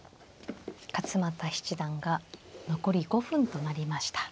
勝又七段が残り５分となりました。